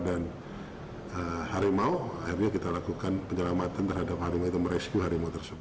dan harimau akhirnya kita lakukan penyelamatan terhadap hari itu meresku harimau tersebut